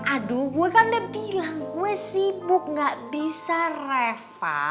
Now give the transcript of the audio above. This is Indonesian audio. aduh gue kan udah bilang gue sibuk gak bisa reva